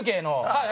はい！